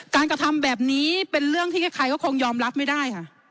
กระทำแบบนี้เป็นเรื่องที่ใครก็คงยอมรับไม่ได้ค่ะ